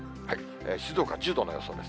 静岡１０度の予想です。